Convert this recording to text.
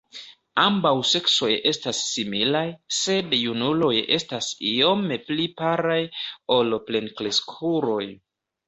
Ambaŭ seksoj estas similaj, sed junuloj estas iome pli palaj ol plenkreskuloj.